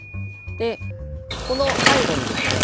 でこの背後にですね